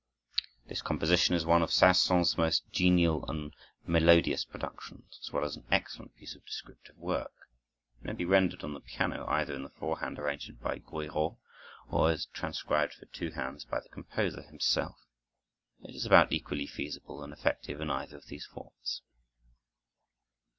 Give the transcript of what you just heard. This composition is one of Saint Saëns' most genial and melodious productions, as well as an excellent piece of descriptive work. It may be rendered on the piano either in the four hand arrangement by Guiraud, or as transcribed for two hands by the composer himself. It is about equally feasible and effective in either of these forms.